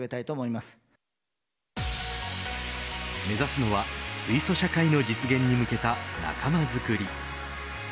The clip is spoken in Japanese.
目指すのは水素社会の実現に向けた仲間づくり。